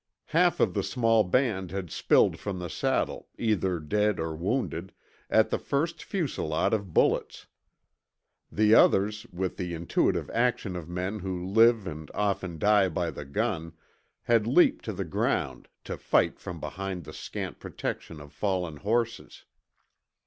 Half of the small band had spilled from the saddle, either dead or wounded, at the first fusillade of bullets. The others, with the intuitive action of men who live and often die by the gun, had leaped to the ground to fight from behind the scant protection of fallen horses.